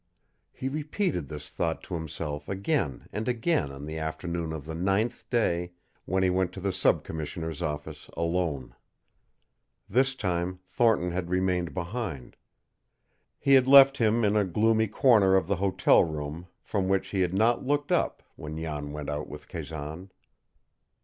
He repeated this thought to himself again and again on the afternoon of the ninth day, when he went to the sub commissioner's office alone. This time Thornton had remained behind. He had left him in a gloomy corner of the hotel room from which he had not looked up when Jan went out with Kazan.